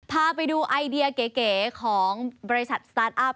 พาไปดูไอเดียเก๋ของบริษัทสตาร์ทอัพ